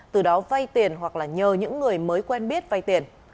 từ đó vay tiền hoặc là nhờ những người mới quen biết vay tiền